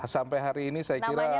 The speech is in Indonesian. sampai hari ini saya kira